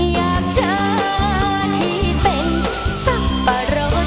อยากเจอที่เป็นสับปะรอ